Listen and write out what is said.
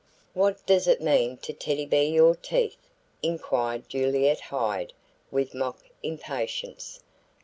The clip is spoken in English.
"What does it mean to Teddy Bear your teeth?" inquired Julietta Hyde with mock impatience.